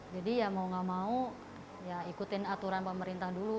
jadi ya mau nggak mau ya ikutin aturan pemerintah dulu